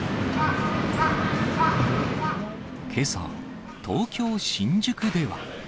けさ、東京・新宿では。